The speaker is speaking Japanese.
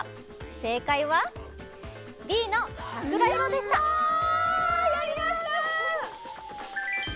正解はＢの桜色でしたえっやりました！